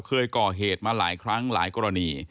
เคยก่อเหตุมาหลายครั้งหลายกรณี